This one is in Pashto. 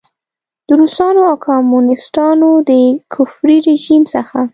د روسانو او کمونیسټانو د کفري رژیم څخه.